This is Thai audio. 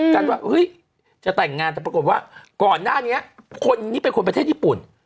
กันว่าเฮ้ยจะแต่งงานแต่ปรากฏว่าก่อนหน้านี้คนนี้เป็นคนประเทศญี่ปุ่น